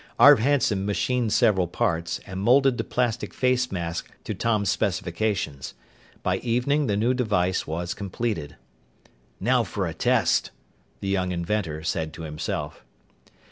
Arv Hanson machined several parts and molded the plastic face mask to Tom's specifications. By evening the new device was completed. "Now for a test," the young inventor said to himself.